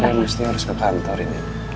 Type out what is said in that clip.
ya mesti harus ke kantor ini